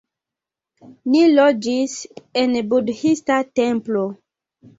Ni loĝis en budhista templo